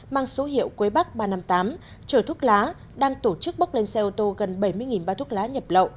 mang số hiệu quế bắc ba trăm năm mươi tám trở thuốc lá đang tổ chức bốc lên xe ô tô gần bảy mươi bao thuốc lá nhập lậu